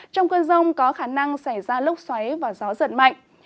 trong cơn rông có khả năng xảy ra lốc xoáy và gió giật mạnh